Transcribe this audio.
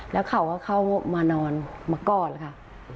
แล้วเขาก็เข้ามานอนมากอดค่ะ